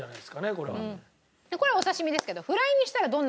これはお刺身ですけど。